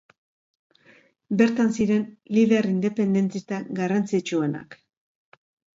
Bertan ziren lider independentista garrantzitsuenak.